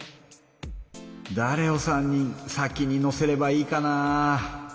だれを３人先に乗せればいいかな？